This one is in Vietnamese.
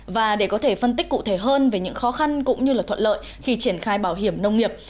và để có thể phân tích cụ thể hơn về những khó khăn cũng như thuận lợi khi triển khai bảo hiểm nông nghiệp